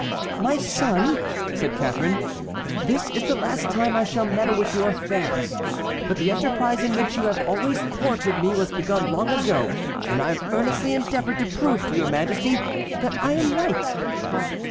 "My son," said Catharine, "this is the last time I shall meddle with your affairs. But the enterprise in which you have always thwarted me was begun long ago, and I have earnestly endeavored to prove to your Majesty that I am right."